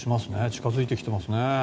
近づいてきていますね。